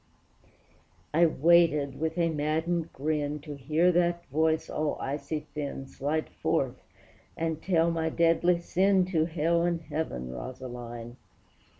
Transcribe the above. I waited with a maddened grin To hear that voice all icy thin Slide forth and tell my deadly sin To hell and heaven, Rosaline!